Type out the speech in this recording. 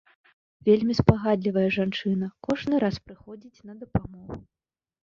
Вельмі спагадлівая жанчына, кожны раз прыходзіць на дапамогу.